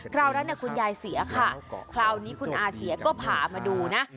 คราวนั้นคุณยายเสียค่ะคราวนี้คุณอาเสียก็ผ่ามาดูนะ